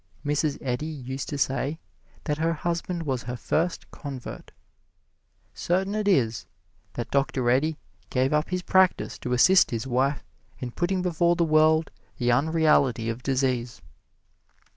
Mrs. Eddy used to say that her husband was her first convert; certain it is that Dr. Eddy gave up his practise to assist his wife in putting before the world the unreality of disease.